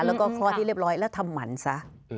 แล้วก็คลอดให้เรียบร้อยแล้วทำหมันซะ